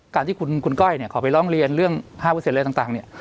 การที่คุณก้อยเนี่ยขอไปร้องเรียนเรื่อง๕อะไรต่างเนี่ย